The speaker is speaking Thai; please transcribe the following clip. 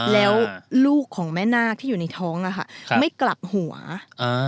แล้วลูกของแม่นาคที่อยู่ในท้องอ่ะค่ะครับไม่กลับหัวอ่า